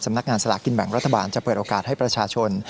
นักงานสลากินแบ่งรัฐบาลจะเปิดโอกาสให้ประชาชน